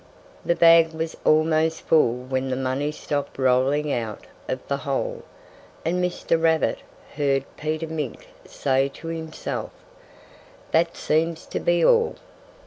The bag was almost full when the money stopped rolling out of the hole. And Mr. Rabbit heard Peter Mink say to himself: "That seems to be all!"